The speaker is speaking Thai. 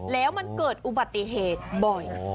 แล้วมันเกิดอุบัติเหตุบ่อย